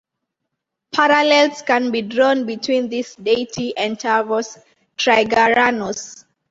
Parallels can be drawn between this deity and Tarvos Trigaranos.